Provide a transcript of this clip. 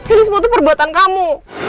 ini semua tuh perbuatan kamu